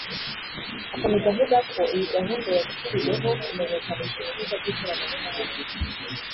Akomeza avuga ko iyi gahunda yashyiriweho kumenyekanisha ibyiza by’ikoranabuhanga